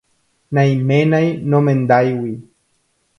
Naiménai nomendáigui.